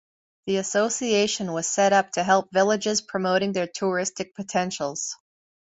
The association was set up to help villages promoting their touristic potentials.